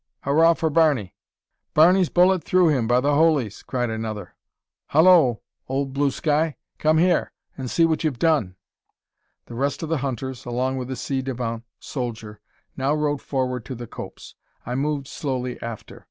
Hurrah for Barney!" "Barney's bullet through him, by the holies!" cried another. "Hollo, old sky blue! Come hyar and see what ye've done!" The rest of the hunters, along with the ci devant soldier, now rode forward to the copse. I moved slowly after.